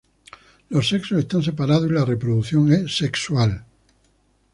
Los sexos están separados y la reproducción es sexual.